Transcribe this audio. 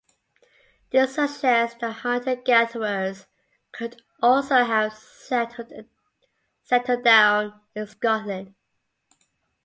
This suggests that hunter-gatherers could also have settled down in Scotland.